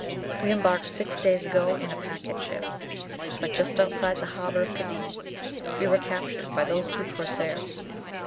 We embarked six days ago in a packet ship, but just outside the harbour of Cadiz we were captured by those two corsairs.